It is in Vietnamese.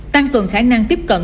tăng cường khả năng tiếp cận